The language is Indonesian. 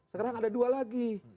sekarang ada dua lagi